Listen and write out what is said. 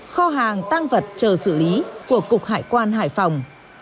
kho hàng tăng vật chờ xử lý của cục hải quan hải phòng